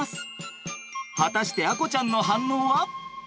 果たして亜瑚ちゃんの反応は？